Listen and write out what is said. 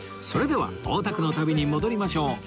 それでは大田区の旅に戻りましょう